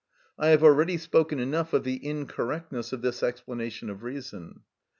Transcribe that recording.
I have already spoken enough of the incorrectness of this explanation of reason.